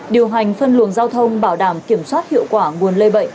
điều hành phân luồng giao thông bảo đảm kiểm soát hiệu quả nguồn lây bệnh